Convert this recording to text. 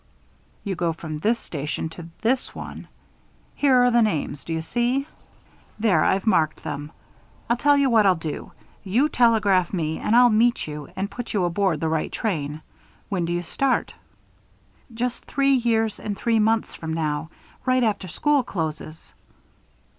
"You go from this station to this one. Here are the names, do you see? There, I've marked them. I'll tell you what I'll do. You telegraph and I'll meet you and put you aboard the right train. When do you start?" "Just three years and three months from now, right after school closes."